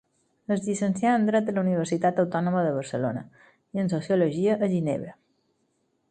Es llicencià en dret a la Universitat Autònoma de Barcelona i en sociologia a Ginebra.